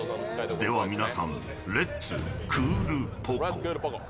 では皆さん、レッツクールポコ。